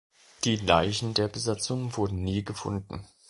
Die Leichen der Besatzung wurden nie gefunden.